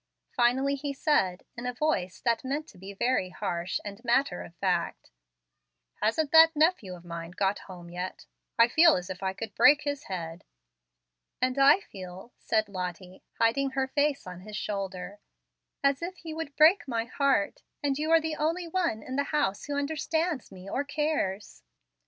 Finally he said, in a voice that he meant to be very harsh and matter of fact, "Hasn't that nephew of mine got home yet? I feel as if I could break his head." "And I feel," said Lottie, hiding her face on his shoulder, "as if he would break my heart, and you are the only one in the house who understands me or cares."